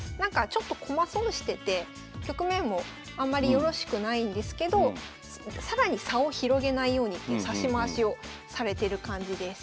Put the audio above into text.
ちょっと駒損してて局面もあんまりよろしくないんですけど更に差を広げないようにっていう指し回しをされてる感じです。